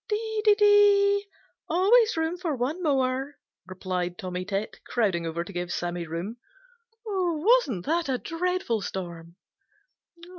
"Dee, dee, dee! Always room for one more," replied Tommy Tit, crowding over to give Sammy room. "Wasn't that a dreadful storm?"